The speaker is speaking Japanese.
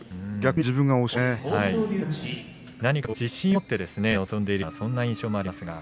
何か自信を持って、臨んでいるようなそんな印象もあります。